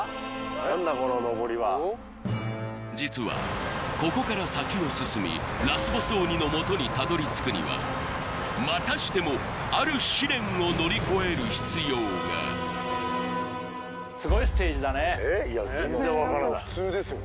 何だこののぼりは実はここから先を進みラスボス鬼のもとにたどり着くにはまたしてもある試練を乗り越える必要がすごいステージだね普通ですよ